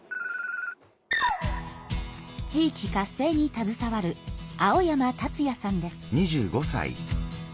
地域活性にたずさわる青山達哉さんです。